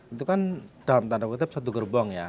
itu kan dalam tanda kutip satu gerbong ya